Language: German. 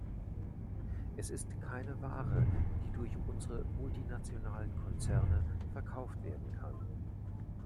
Es ist keine Ware, die durch unsere multinationalen Konzerne verkauft werden kann.